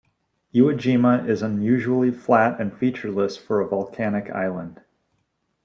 Iwo Jima is unusually flat and featureless for a volcanic island.